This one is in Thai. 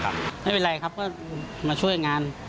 ไม่เป็นไรครับก็มาช่วยงาน